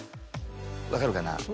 分かるかな？